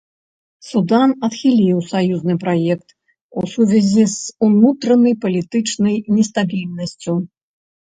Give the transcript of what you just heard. Судан адхіліў саюзны праект, у сувязі з унутранай палітычнай нестабільнасцю.